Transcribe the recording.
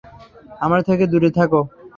আমার থেকে দূরে থাকো।